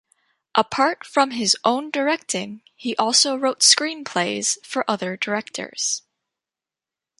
Apart from his own directing, he also wrote screenplays for other directors.